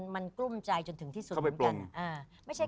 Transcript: มันกลุ้มใจจนถึงที่สุดเหมือนกัน